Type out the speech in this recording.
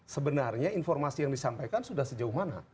sebenarnya informasi yang disampaikan sudah sejauh mana